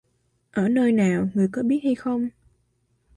Ở nơi nào, người có biết hay không?